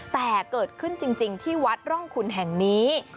แต่เกิดขึ้นจริงที่วัดร่องคุณแห่งนี้